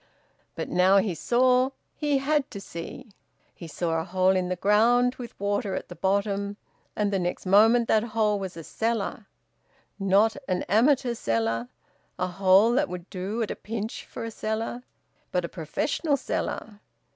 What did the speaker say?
But now he saw. He had to see. He saw a hole in the ground, with water at the bottom, and the next moment that hole was a cellar; not an amateur cellar, a hole that would do at a pinch for a cellar, but a professional cellar.